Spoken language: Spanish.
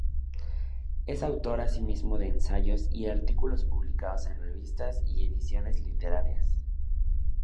Es autor asimismo de ensayos y artículos publicados en revistas y ediciones literarias.